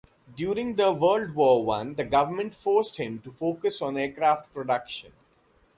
During World War One, the government forced him to focus on aircraft production.